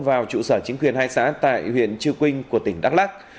vào trụ sở chính quyền hai xã tại huyện chư quynh của tỉnh đắk lắc